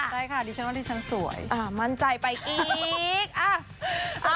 ใช่ค่ะดิฉันว่าดิฉันสวยมั่นใจไปอีก